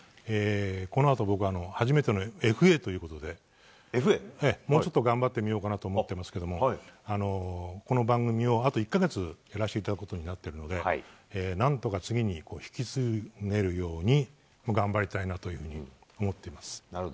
このあと僕、初めてのＦＡということでもうちょっと頑張ってみようと思っていますがこの番組をあと１か月やらせていただくことになっているので何とか次に引き継げるように頑張りたいなというふうに思っています。